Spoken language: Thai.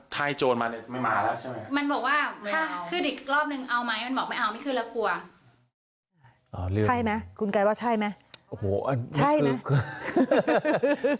แต่ที่เขาเจอเขาจะใส่เสื้อผ้า